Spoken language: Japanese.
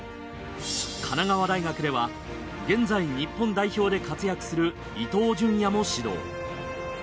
神奈川大学では現在日本代表で活躍する伊東純也も指導。